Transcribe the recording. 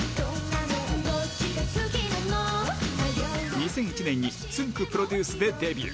２００１年に、つんく♂プロデュースでデビュー。